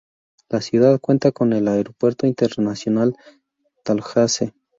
La ciudad cuenta con el Aeropuerto Internacional de Tallahassee.